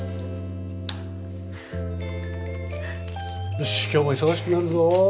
よし今日も忙しくなるぞ。